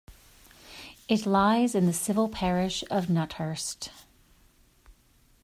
It lies in the civil parish of Nuthurst.